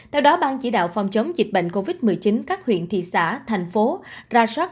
theo đó bang chỉ đạo phòng chống dịch bệnh covid một mươi chín các huyện thị xã thành phố ra soát